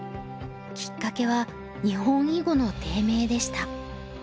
きっかけは日本囲碁の低迷でした。